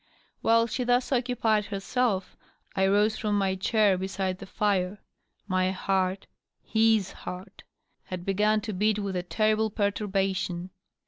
While she thus occupied herself I rose from my chair beside the fire. My heart {his heart H had b^un to beat with a terrible perturbation.